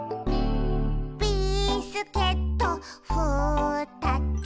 「ビスケットふたつ」